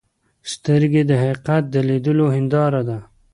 سترګې د حقیقت د لیدلو هنداره ده.